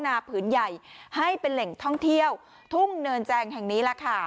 ผืนใหญ่ให้เป็นแหล่งท่องเที่ยวทุ่งเนินแจงแห่งนี้ล่ะค่ะ